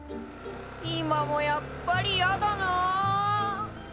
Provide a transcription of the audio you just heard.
今もやっぱりやだな。